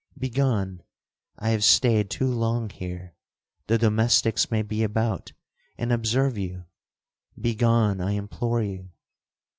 Begone—I have staid too long here—the domestics may be about, and observe you—begone, I implore you.'